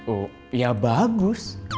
oh ya bagus